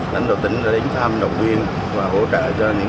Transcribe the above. lãnh đạo tỉnh đã đến thăm động viên và hỗ trợ cho những